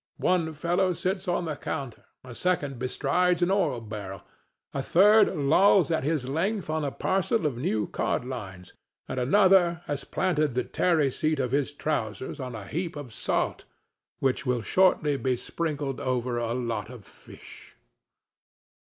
One fellow sits on the counter, a second bestrides an oil barrel, a third lolls at his length on a parcel of new cod lines, and another has planted the tarry seat of his trousers on a heap of salt which will shortly be sprinkled over a lot of fish.